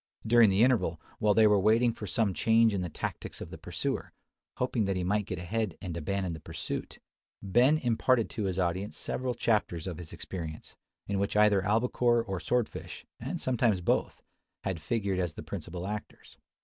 During the interval, while they were waiting for some change in the tactics of the pursuer, hoping that he might get ahead and abandon the pursuit, Ben imparted to his audience several chapters of his experience, in which either albacore or sword fish, and sometimes both, had figured as the principal actors.